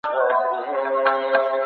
قصاص د ژوند د اخیستلو یو سبب دی.